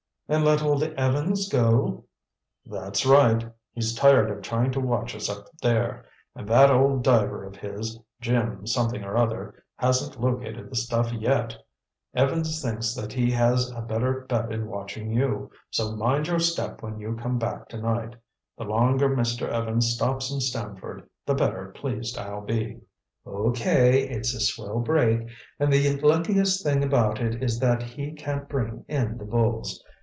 "And let Old Evans go?" "That's right. He's tired of trying to watch us up there. And that old diver of his—Jim something or other, hasn't located the stuff yet. Evans thinks that he has a better bet in watching you. So mind your step when you come back tonight. The longer Mr. Evans stops in Stamford the better pleased I'll be." "Okay. It's a swell break, and the luckiest thing about it is that he can't bring in the bulls.